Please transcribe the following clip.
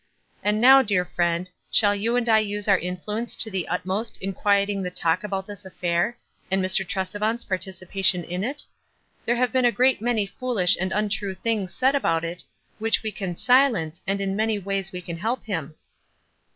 And now, dear friend, shall you and I use our influ ence to the utmost in quieting the talk about this affair, and Mr. Tresevant's participation in it? There have been a great many foolish and untrue things said about it, which we can si lence, and in many ways we can help him."